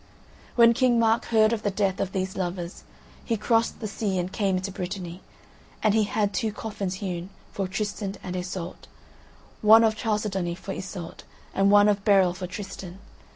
When King Mark heard of the death of these lovers, he crossed the sea and came into Brittany; and he had two coffins hewn, for Tristan and Iseult, one of chalcedony for Iseult, and one of beryl for Tristan.